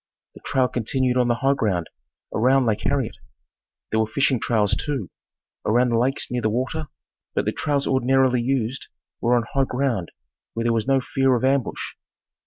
The trail continued on the high ground around Lake Harriet. There were fishing trails, too, around the lakes near the water, but the trails ordinarily used were on high ground where there was no fear of ambush.